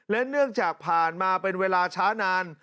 และเนื่องจากผ่านมาเป็นเวลาช้านาน